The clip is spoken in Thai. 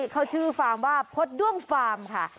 เขาชื่อฟาร์มว่าพจน์ด้วงฟาร์มค่ะ